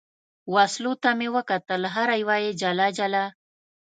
وسلو ته مې کتل، هره یوه یې جلا جلا.